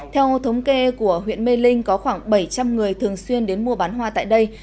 theo thống kê của huyện mê linh có khoảng bảy trăm linh người thường xuyên đến mua bán hoa tại đây